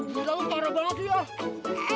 gilang lu parah banget ya